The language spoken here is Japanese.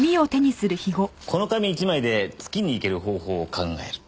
この紙１枚で月に行ける方法を考える。